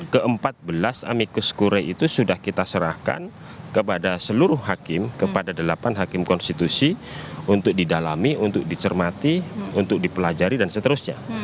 ke empat belas amikus kure itu sudah kita serahkan kepada seluruh hakim kepada delapan hakim konstitusi untuk didalami untuk dicermati untuk dipelajari dan seterusnya